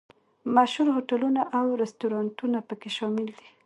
مشهور هوټلونه او رسټورانټونه په کې شامل دي.